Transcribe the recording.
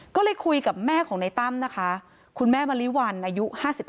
ก็เลยคุยกับแม่ของในตั้มนะคะคุณแม่มะลิวัลอายุ๕๓